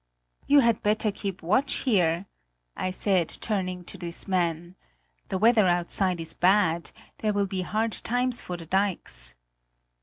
"You had better keep watch here!" I said, turning to this man; "the weather outside is bad; there will be hard times for the dikes!"